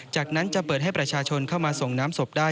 จากนั้นจะเปิดให้ประชาชนเข้ามาส่งน้ำศพได้